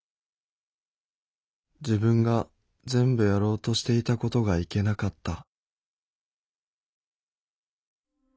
「自分が全部やろうとしていたことがいけなかった」。